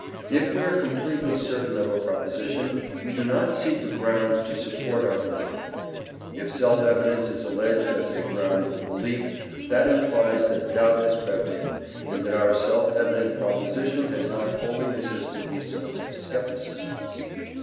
If we are completely certain of a proposition, we do not seek a ground to support our belief. If self evidence is alleged as a ground of belief, that implies that doubt has crept in, and that our self evident proposition has not wholly resisted the assaults of scepticism.